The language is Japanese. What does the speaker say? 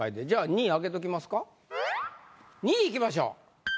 じゃあ２位開けときますか２位いきましょう。